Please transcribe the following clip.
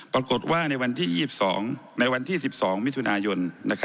ปรากฏว่าในวันที่๑๒มิถุนายน